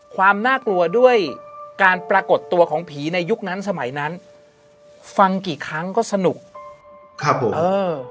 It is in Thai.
ความน่ากลัวด้วยการปรากฏตัวของผีในยุคนั้นสมัยนั้นฟังกี่ครั้งก็สนุกครับผมเออ